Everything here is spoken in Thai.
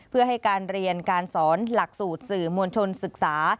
เพื่อให้การเรียนการสอนหลักสูตรสื่อมวลชนศึกษา